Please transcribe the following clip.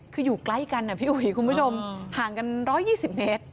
คืออยู่ใกล้กันนะพี่อุ๋ยคุณผู้ชมห่างกัน๑๒๐เมตร